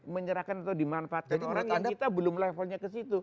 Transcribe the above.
menyerahkan atau dimanfaatkan orang yang kita belum levelnya kesitu